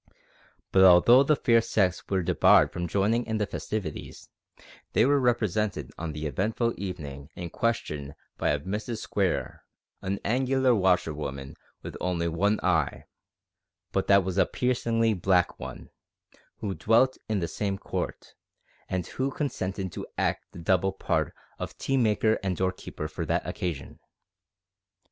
But although the fair sex were debarred from joining in the festivities, they were represented on the eventful evening in question by a Mrs Square, an angular washer woman with only one eye (but that was a piercingly black one), who dwelt in the same court, and who consented to act the double part of tea maker and doorkeeper for that occasion.